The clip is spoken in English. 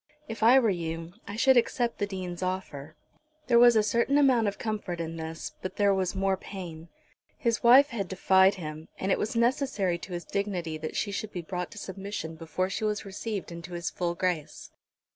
If I were you I should accept the Dean's offer." There was a certain amount of comfort in this, but there was more pain. His wife had defied him, and it was necessary to his dignity that she should be brought to submission before she was received into his full grace.